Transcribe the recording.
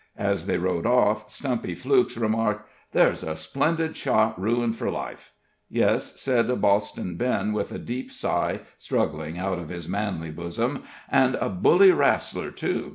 As they rode off, Stumpy Flukes remarked: "There's a splendid shot ruined for life." "Yes," said Boston Ben, with a deep sigh struggling out of his manly bosom, "an' a bully rassler, too.